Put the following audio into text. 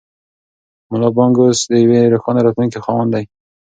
ملا بانګ اوس د یوې روښانه راتلونکې خاوند دی.